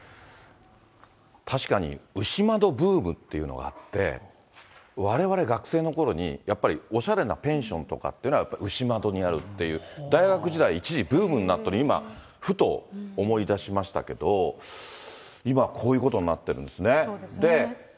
確かに牛窓ブームっていうのがあって、われわれ学生のころに、やっぱりおしゃれなペンションとかっていうのは、やっぱり牛窓にあるっていう、大学時代、一時ブームになったの、今、ふと思いだしましたけど、今、こういうことになってるんですね。